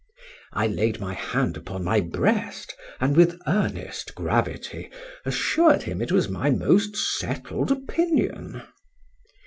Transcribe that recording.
—I laid my hand upon my breast, and with earnest gravity assured him it was my most settled opinion.